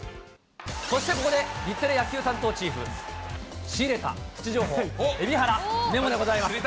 そしてここで日テレ野球担当チーフ、仕入れたプチ情報、蛯原メモでございます。